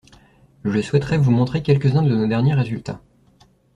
je souhaiterais vous montrer quelques-uns de nos derniers résultats.